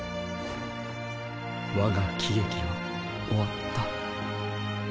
我が喜劇は終わった。